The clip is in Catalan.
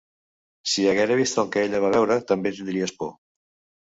Si haguera vist el que ella va veure també tindries por